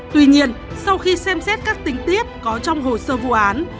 tuy nhiên sau khi xem xét các tính tiếp có trong hồ sơ vụ án